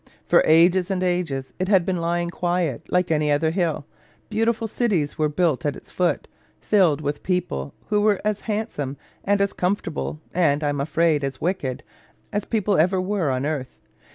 For ages and ages it had been lying quiet, like any other hill. Beautiful cities were built at its foot, filled with people who were as handsome, and as comfortable, and (I am afraid) as wicked, as people ever were on earth.